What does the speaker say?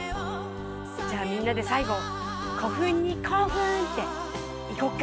じゃあみんなでさい後「古墳にコーフン！」っていこっか。